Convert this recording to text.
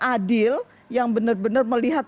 adil yang benar benar melihat